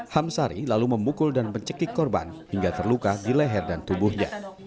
hamsari lalu memukul dan mencekik korban hingga terluka di leher dan tubuhnya